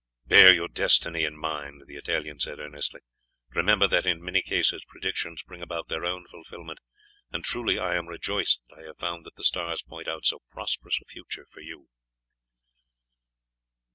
"Bear your destiny in mind," the Italian said earnestly, "remember that in many cases predictions bring about their own fulfilment; and truly I am rejoiced that I have found that the stars point out so prosperous a future for you."